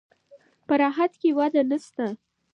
په راحت کې وده نشته.